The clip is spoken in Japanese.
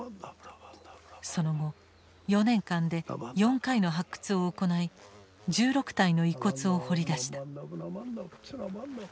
その後４年間で４回の発掘を行い１６体の遺骨を掘り出した。